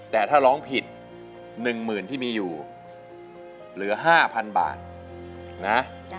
แต่ถ้าร้องผิดหนึ่งหมื่นที่มีอยู่เหลือห้าพันบาทนะ